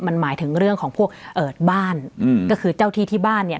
มันหมายถึงเรื่องของพวกเอิดบ้านอืมก็คือเจ้าที่ที่บ้านเนี่ย